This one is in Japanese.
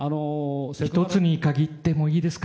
１つに限ってもいいですか。